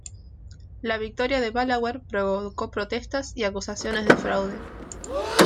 La victoria de Balaguer provocó protestas y acusaciones de fraude.